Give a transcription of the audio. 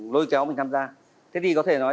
lôi kéo mình tham gia thế thì có thể nói